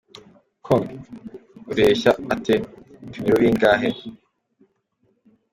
com : Ureshya ate ? Upima ibiro bingahe ?.